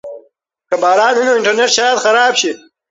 که باران وي نو انټرنیټ شاید خراب شي.